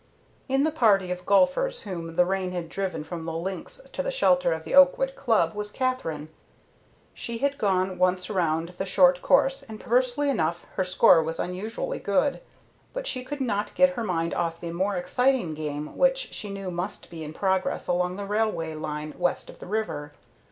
In the party of golfers whom the rain had driven from the links to the shelter of the Oakwood Club was Katherine. She had gone once around the short course and perversely enough her score was unusually good; but she could not get her mind off the more exciting game which she knew must be in progress along the railway line west of the river.